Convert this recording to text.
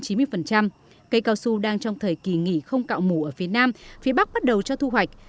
cây cao su đang trong thời kỳ nghỉ không cạo mù ở phía nam phía bắc bắt đầu cho thu hoạch